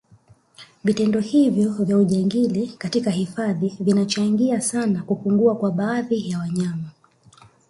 Vitendo hivyo vya ujangili katika hifadhi vinacahangia sana kupungua kwa baadhi ya wanyama